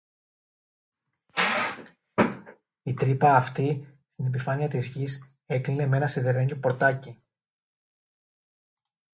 Η τρύπα αυτή, στην επιφάνεια της γης, έκλεινε μ' ένα σιδερένιο πορτάκι